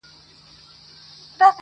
دنیا ډېره بې وفا ده نه پا یږي,